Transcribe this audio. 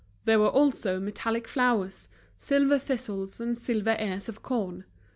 There were also metallic flowers, silver thistles and silver ears of corn.